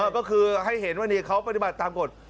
ก็คือให้เห็นว่าเขาปฏิบัติตามกฎ